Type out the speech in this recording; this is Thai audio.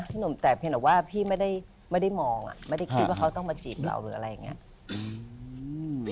หนุ่มแต่เพียงแต่ว่าพี่ไม่ได้มองไม่ได้คิดว่าเขาต้องมาจีบเราหรืออะไรอย่างนี้